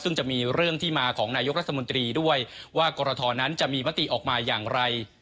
ซึ่งจะมีเรื่องที่มาของนายกรัฐมนตรีด้วยว่ากรทนั้นจะมีมติออกมาอย่างไร